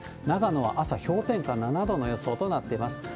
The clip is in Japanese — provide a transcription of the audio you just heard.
長野は朝、氷点下７度の予想となっています。